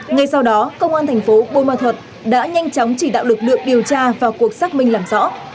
ngay sau đó công an thành phố bô ma thuật đã nhanh chóng chỉ đạo lực lượng điều tra vào cuộc xác minh làm rõ